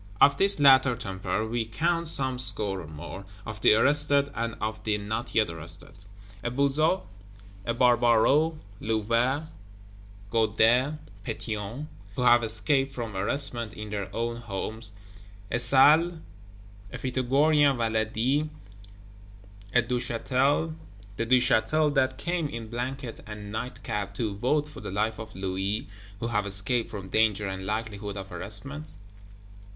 Of this latter temper we count some score or more, of the Arrested, and of the Not yet arrested: a Buzot, a Barbaroux, Louvet, Guadet, Pétion, who have escaped from Arrestment in their own homes; a Salles, a Pythagorean Valady, a Duchâtel, the Duchâtel that came in blanket and night cap to vote for the life of Louis, who have escaped from danger and likelihood of Arrestment.